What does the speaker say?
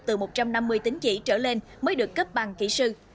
từ một trăm năm mươi tính chỉ trở lên mới được cấp bằng kỹ sư